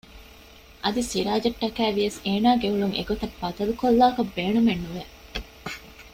އަދި ސިރާޖަށްޓަކައި ވިޔަސް އޭނާގެ އުޅުން އެގޮތަށް ބަދަލު ކޮށްލާކަށް ބޭނުމެއް ނުވެ